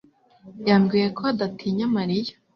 yambwiye ko adatinya Mariya.